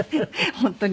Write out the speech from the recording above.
本当に。